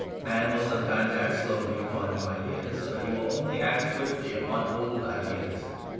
Man will sometimes act slowly upon new ideas; but he will only act swiftly upon old ideas.